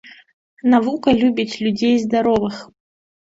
Навука любіць людзей здаровых.